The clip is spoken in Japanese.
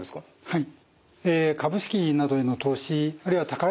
はい。